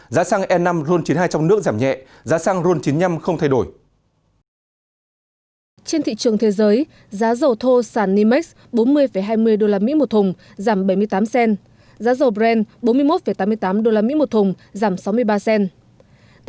giá xăng e năm ron chín mươi hai được điều chỉnh giảm năm mươi một đồng một lít có giá một mươi bốn hai trăm một mươi năm đồng một lít